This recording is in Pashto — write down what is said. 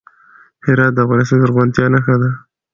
هرات د افغانستان د زرغونتیا نښه ده.